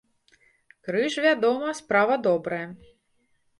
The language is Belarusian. Крыж, вядома, справа добрая.